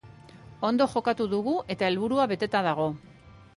Ondo jokatu dugu eta helburua beteta dago.